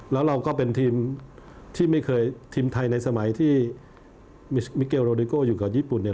แล้วเราก็เป็นทีมที่ไม่เคยทีมไทยในสมัยที่มิเกลโรดิโก้อยู่กับญี่ปุ่นเนี่ย